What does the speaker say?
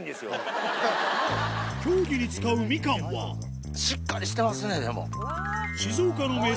競技に使うみかんはしっかりしてますねでも。